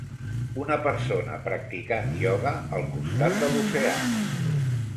Una persona practicant ioga al costat de l'oceà